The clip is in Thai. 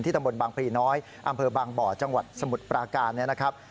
ตำบลบางพลีน้อยอำเภอบางบ่อจังหวัดสมุทรปราการเนี่ยนะครับ